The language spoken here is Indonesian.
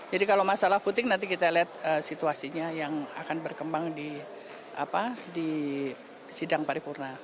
jadi kalau masalah voting nanti kita lihat situasinya yang akan berkembang di sidang paripurna